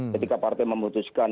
ketika partai memutuskan